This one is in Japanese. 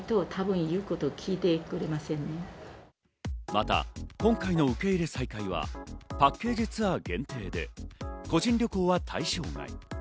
また今回の受け入れ再開はパッケージツアー限定で個人旅行は対象外。